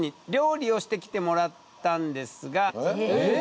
えっ？